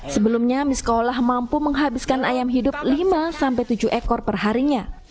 sebelumnya miskolah mampu menghabiskan ayam hidup lima tujuh ekor perharinya